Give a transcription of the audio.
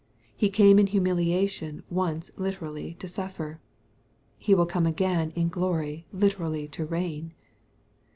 He came in humiliation once literally to suffer. He will come again in glory literally to reign.